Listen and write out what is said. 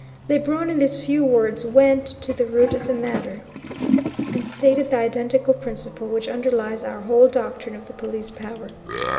Lebrun in these few words went to the root of the matter, and stated the identical principle which underlies our whole doctrine of the Police Power.